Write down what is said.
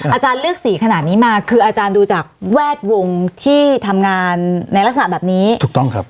อาจารย์เลือกสีขนาดนี้มาคืออาจารย์ดูจากแวดวงที่ทำงานในลักษณะแบบนี้ถูกต้องครับ